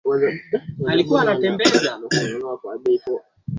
ukizungumzia soka barani Afrika ilianzia miongo mingi iliyopota